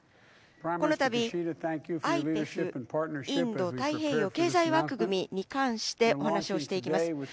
このたびＩＰＥＦ＝インド太平洋経済枠組みに関してお話をしていきます。